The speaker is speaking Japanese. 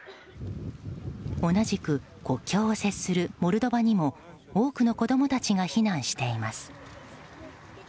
同じく国境を接するモルドバにも多くの子供たちが避難しています。